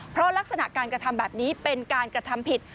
เพราะลักษณะการกระทำแบบนี้เป็นการกระทำผิด